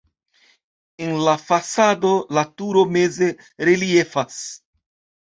En la fasado la turo meze reliefas.